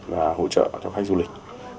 và hỗ trợ cho các cơ quan thẩm quyền của đài loan